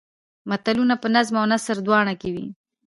متلونه په نظم او نثر دواړو کې وي